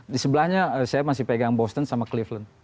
di sebelahnya saya masih pegang boston sama cleveland